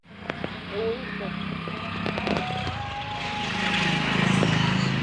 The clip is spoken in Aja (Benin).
Eo yi zon.